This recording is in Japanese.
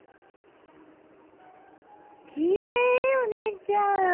きれいお姉ちゃん！